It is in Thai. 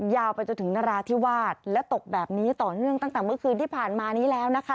ยาวไปจนถึงนราธิวาสและตกแบบนี้ต่อเนื่องตั้งแต่เมื่อคืนที่ผ่านมานี้แล้วนะคะ